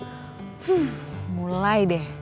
huff mulai deh